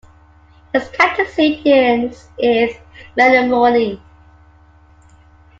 Its county seat is Menomonie.